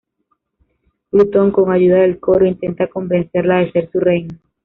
Plutón, con ayuda del coro, intenta convencerla de ser su reina.